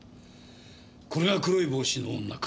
これが黒い帽子の女か。